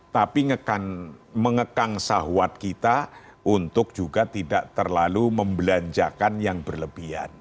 tapi mengekang sahwat kita untuk juga tidak terlalu membelanjakan yang berlebihan